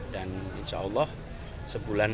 dan insya allah sebulan sebulan